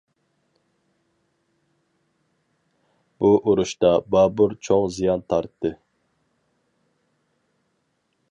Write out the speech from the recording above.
بۇ ئۇرۇشتا بابۇر چوڭ زىيان تارتتى.